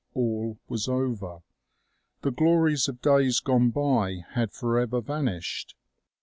All was over. The glories of days gone by had forever vanished.